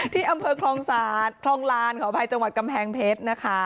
ที่อำเภอคลองศาสตร์คลองลานขออภัยจังหวัดกำแพงเพชรนะคะ